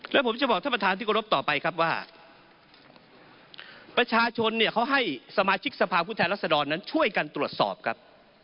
แล้วผมจะบอกท่านประธานที่กรบต่อไปครับว่าประชาชนเนี่ยเขาให้สมาชิกสภาพผู้แทนรัศดรนั้นช่วยกันตรวจสอบครับ